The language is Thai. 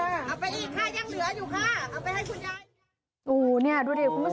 เอาไปอีกค่ะยังเหลืออยู่ค่ะเอาไปให้คุณยาย